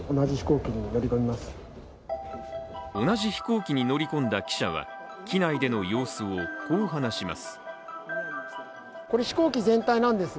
同じ飛行機に乗り込んだ記者は機内での様子をこう話します。